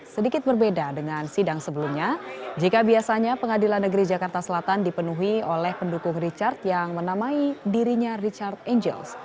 sedikit berbeda dengan sidang sebelumnya jika biasanya pengadilan negeri jakarta selatan dipenuhi oleh pendukung richard yang menamai dirinya richard angels